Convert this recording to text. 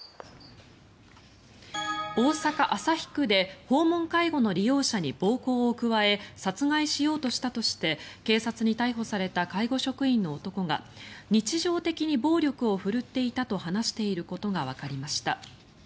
大阪・旭区で訪問介護の利用者に暴行を加え殺害しようとしたとして警察に逮捕された介護職員の男が日常的に暴力を振るっていたと話していることがわかりました。